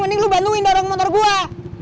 mending lu bantuin dorong motor gua